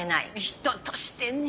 人としてね。